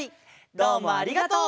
どうもありがとう！